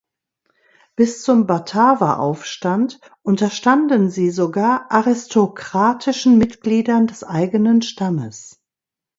Bis zum Bataveraufstand unterstanden sie sogar aristokratischen Mitgliedern des eigenen Stammes.